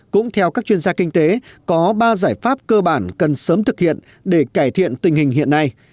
cũng theo các chuyên gia kinh tế có ba giải pháp cơ bản cần sớm thực hiện để cải thiện tình hình hiện nay